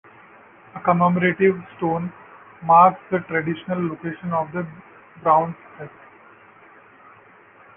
A commemorative stone marks the traditional location of the brawn's death.